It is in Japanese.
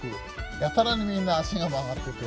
やたらにみんな足が曲がってて。